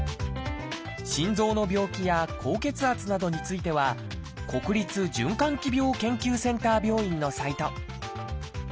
心臓の病気や高血圧などについては国立循環器病研究センター病院のサイト。